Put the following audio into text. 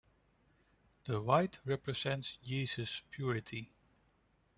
The white represents Jesus' purity.